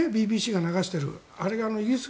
ＢＢＣが流してる映像。